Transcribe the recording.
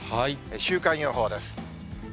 週間予報です。